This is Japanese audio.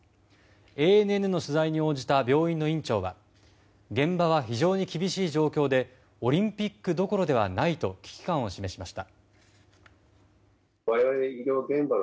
ＡＮＮの取材に応じた病院の院長は現場は非常に厳しい状況でオリンピックどころではないと危機感を示しました。